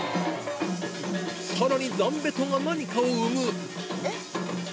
さらにザンベトが何かを産む